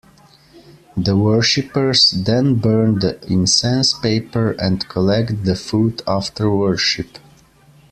The worshippers then burn the incense paper and collect the food after worship.